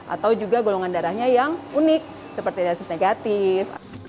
atau juga golongan darahnya yang unik seperti lesus negatif